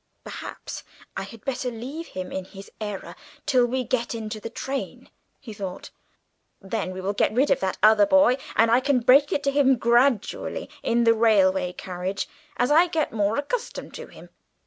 "Perhaps I had better leave him in his error till we get into the train," he thought; "then we will get rid of that other boy, and I can break it to him gradually in the railway carriage as I get more accustomed to him."